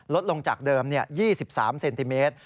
ลดลงจากเดิม๒๓เซนติเมตร